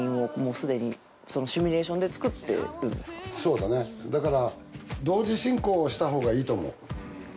そうだねだから。